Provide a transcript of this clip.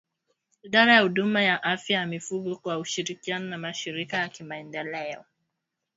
Idara ya Huduma ya Afya ya Mifugo kwa ushirikiano na mashirika ya kimaendeleo